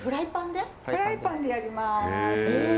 フライパンでやります！